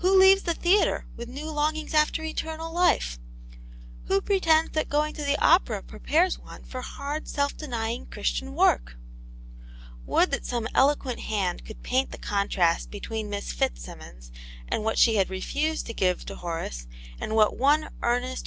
Who leaves the theatre with new longings after eternal life ? Who pretends that going to the opera prepares one for hard, self denying. Christian work } Would that some eloquent hand could paint the contrast between Miss Fitzsimmons and what she had refused to give to Horace, and what one ear nest.